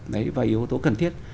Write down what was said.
và yếu tố cần thiết